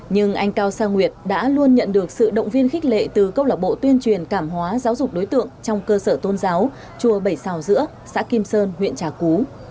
nhưng anh cao sang nguyệt đã luôn nhận được sự động viên khích lệ từ câu lạc bộ tuyên truyền cảm hóa giáo dục đối tượng trong cơ sở tôn giáo chùa bảy sao giữa xã kim sơn huyện trà cú